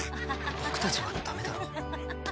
僕たちはだめだろ？